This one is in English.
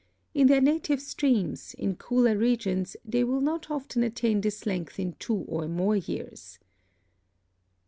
In their native streams, in cooler regions, they will not often attain this length in two or more years.